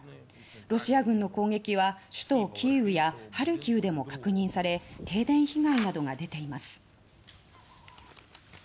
ロシア軍の攻撃は首都キーウやハルキウでも確認され停電被害などが出ています。